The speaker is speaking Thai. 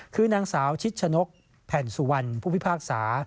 คือนางสาวชิดชนกแผ่นสุวรรณผู้พิพากษา